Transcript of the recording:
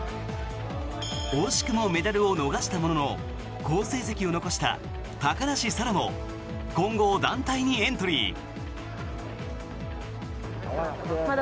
惜しくもメダルを逃したものの好成績を残した高梨沙羅も混合団体にエントリー。